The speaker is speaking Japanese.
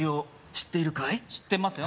知ってますよ